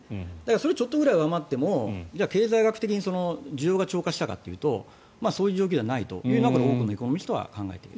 それ、ちょっとくらい余っても経済学的に需要が超過したかというとそういう状況じゃないということで多くの国民は考えていると。